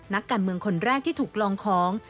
นักการเมืองคนแรกที่ถูกลองของ